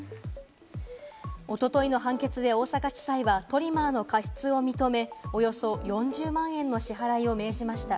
おとといの判決で大阪地裁はトリマーの過失を認め、およそ４０万円の支払いを命じました。